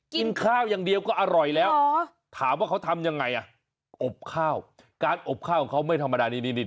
กินข้าวอย่างเดียวก็อร่อยแล้วถามว่าเขาทำยังไงอ่ะอบข้าวการอบข้าวของเขาไม่ธรรมดานี่